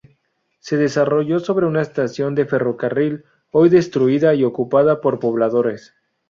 Se desarrolló sobre una estación de ferrocarril hoy destruida y ocupada por pobladores.